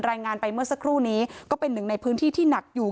รายงานไปเมื่อสักครู่นี้ก็เป็นหนึ่งในพื้นที่ที่หนักอยู่